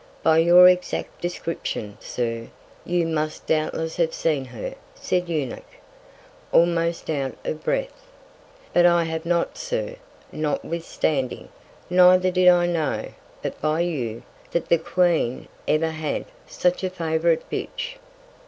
By your exact Description, Sir, you must doubtless have seen her, said the Eunuch, almost out of Breath. But I have not Sir, notwithstanding, neither did I know, but by you, that the Queen ever had such a favourite Bitch.